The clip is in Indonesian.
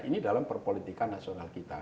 ini dalam perpolitikan nasional kita